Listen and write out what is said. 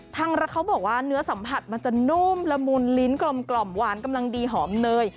ทางร้านเขาบอกว่าเนื้อสัมผัสมันจะนุ่มละมุนลิ้นกลมหวานกำลังดีหอมเนย